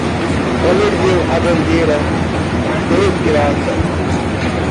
Ela ergueu a bandeira de pirata.